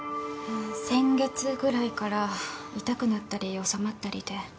先月ぐらいから痛くなったり治まったりで。